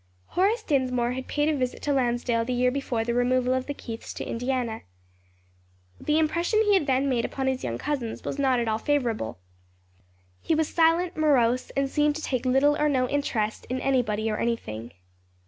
Horace Dinsmore had paid a visit to Lansdale the year before the removal of the Keiths to Indiana. The impression he had then made upon his young cousins was not at all favorable; he was silent, morose and seemed to take little or no interest in anybody or anything.